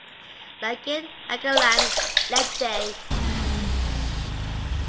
Langit, Alangalang, Leyte.